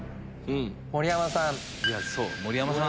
盛山さん。